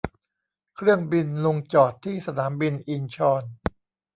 เครื่องบินลงจอดที่สนามบินอินชอน